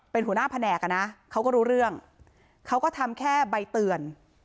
เป็นหัวหน้าแผนกอ่ะนะเขาก็รู้เรื่องเขาก็ทำแค่ใบเตือน